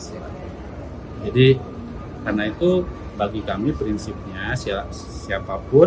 orth embwe karena itu bagi kami prinsipnya siapapun yang punya hak untuk menjadi calon